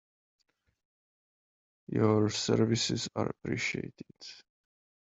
Your services are appreciated.